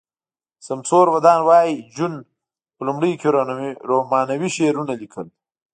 سمور ودان وایی جون په لومړیو کې رومانوي شعرونه لیکل